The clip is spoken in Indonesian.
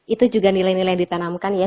itu juga nilai nilai yang ditanamkan ya